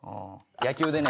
野球でね